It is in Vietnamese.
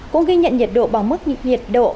cũng ghi nhận nhiệt độ bằng mức nhiệt độ